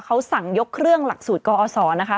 เขาสั่งยกเครื่องหลักสูตรกอศนะคะ